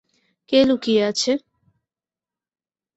কে লুকিয়ে আছে?